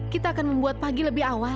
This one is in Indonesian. kita akan membuat pagi lebih awal